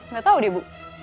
gak tau deh ibu